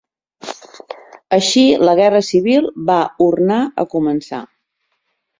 Així la guerra civil va ornar a començar.